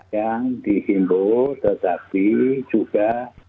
yang dihimbau tetapi juga